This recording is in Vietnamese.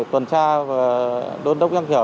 tuần tra và đốt đốc nhắc nhở